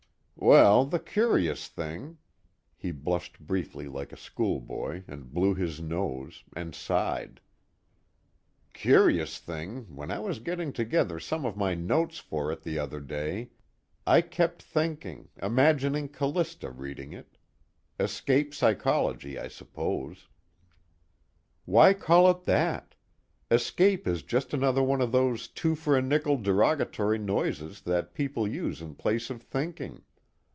"Well, the curious thing " he blushed briefly like a schoolboy, and blew his nose, and sighed "curious thing, when I was getting together some of my notes for it the other day, I kept thinking imagining Callista reading it. Escape psychology, I suppose." "Why call it that? 'Escape' is just another one of those two for a nickel derogatory noises that people use in place of thinking.